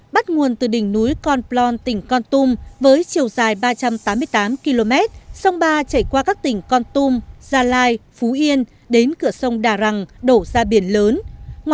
bắt nguồn từ đỉnh núi con plon tỉnh con tum với chiều dài ba trăm tám mươi tám km sông ba chảy qua các tỉnh con tum gia lai phú yên đến cửa sông đà rằng đổ ra biển lớn